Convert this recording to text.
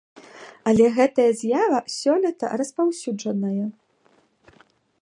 Але гэтая з'ява сёлета распаўсюджаная.